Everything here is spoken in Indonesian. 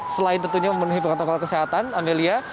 selain tentunya memenuhi protokol kesehatan amelia